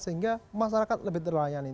sehingga masyarakat lebih terlayani